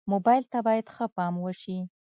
موبایل ته باید ښه پام وشي.